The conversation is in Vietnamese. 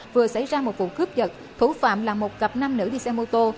vừa xảy ra một vụ cướp giật thủ phạm là một cặp nam nữ đi xe mô tô